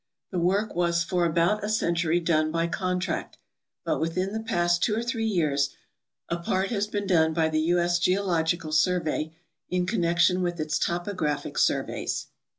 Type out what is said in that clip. The work was for about a century done by contract, but within the past two or three years a part has been done by the U. S. Geological Survey in connection with its topographic surveys.